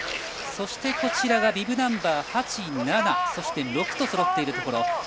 そして、ビブナンバー８、７そして６とそろっているところ。